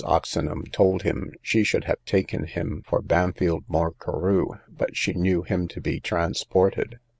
Oxenham told him, she should have taken him for Bampfylde Moore Carew, but she knew him to be transported.